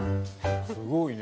すごいね。